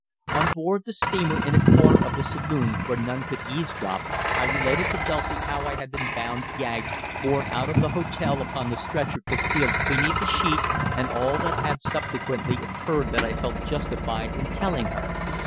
On board the steamer, in a corner of the saloon where none could eavesdrop, I related to Dulcie how I had been bound, gagged, borne out of the hotel upon the stretcher concealed beneath a sheet, and all that had subsequently occurred that I felt justified in telling her.